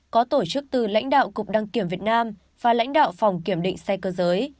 có tổ chức từ lãnh đạo cục đăng kiểm việt nam và lãnh đạo phòng kiểm định xe cơ giới